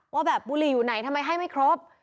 ว่าแบบบุหรี่อยู่ไหนทำไมให้ไม่ครบ